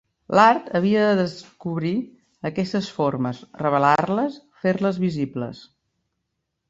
L'art havia de descobrir aquestes formes, revelar-les, fer-les visibles.